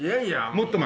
もっと前？